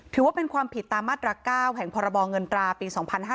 ถือว่าเป็นความผิดตามมาตรา๙แห่งพรบเงินตราปี๒๕๕๙